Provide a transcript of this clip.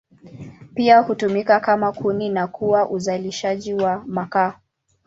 Pia hutumika kama kuni na kwa uzalishaji wa makaa.